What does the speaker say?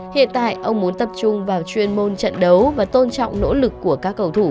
hiện tại ông muốn tập trung vào chuyên môn trận đấu và tôn trọng nỗ lực